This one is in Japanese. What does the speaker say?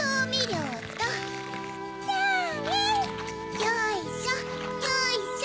よいしょよいしょ。